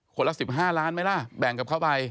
ละ๑๕ล้านไหมล่ะแบ่งกับเขาไป